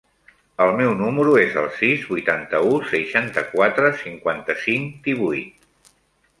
El meu número es el sis, vuitanta-u, seixanta-quatre, cinquanta-cinc, divuit.